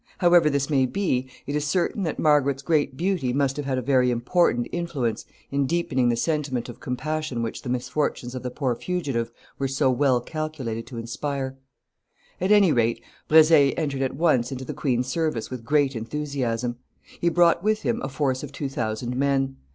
However this may be, it is certain that Margaret's great beauty must have had a very important influence in deepening the sentiment of compassion which the misfortunes of the poor fugitive were so well calculated to inspire. At any rate, Brezé entered at once into the queen's service with great enthusiasm. He brought with him a force of two thousand men.